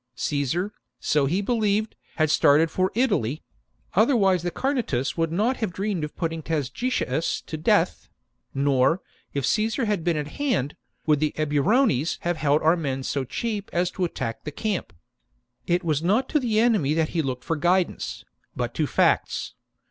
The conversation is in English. Caesar, so he believed, had started for Italy ; otherwise the Carnutes would not have dreamed of putting Tasgetius to death ; nor, if Caesar had been at hand, would the Eburones have held our men so cheap as to attack the camp. It was not to the enemy that he looked for guidance, but to facts.